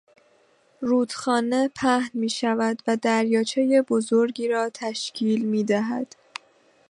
رودخانه پهن میشود و دریاچهی بزرگی را تشکیل میدهد.